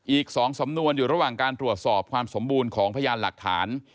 อีก๒สำนวนอยู่ระหว่างการตรวจสอบความสมบูรณ์ของพยานหลักฐาน